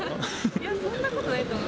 いや、そんなことないと思い